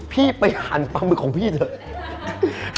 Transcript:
พี่ไปหันปลาหมึกของพี่เถอะ